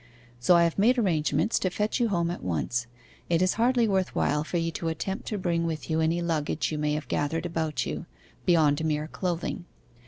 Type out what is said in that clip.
'So I have made arrangements to fetch you home at once. It is hardly worth while for you to attempt to bring with you any luggage you may have gathered about you (beyond mere clothing).